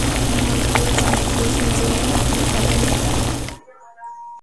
হয়তো ওর জানা প্রয়োজন যে, আপনি ভালো নেই।